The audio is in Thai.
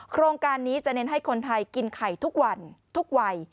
โครงการนี้จะเน้นให้คนไทยกินไข่ทุกวันทุกวัย